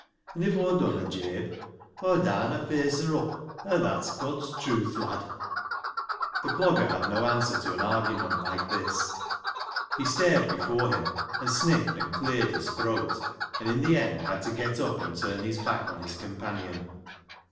An' if Aw dunna, Jabe, Aw darna face her up, an' that's God's trewth, lad." The Clogger had no answer to an argument like this. He stared before him, and sniffed and cleared his throat, and in the end had to get up and turn his back on his companion.